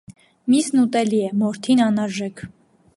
Միսն ուտելի է, մորթին՝ անարժեք։